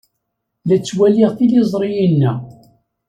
La ttwaliɣ tiliẓri-inna.